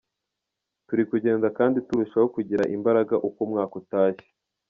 Turi kugenda kandi turushaho kugira imbaraga uko umwaka utashye.